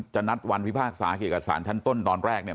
นัดวันพิพากษาเกี่ยวกับสารชั้นต้นตอนแรกเนี่ย